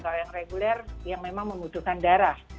kalau yang reguler yang memang membutuhkan darah